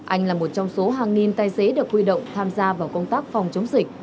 anh là một trong số hàng nghìn tài xế được huy động tham gia vào công tác phòng chống dịch